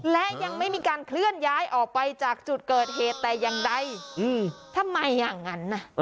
และยังไม่มีการเคลื่อนย้ายออกไปจากจุดเกิดเหตุแต่อย่างใดทำไมอย่างนั้นนะ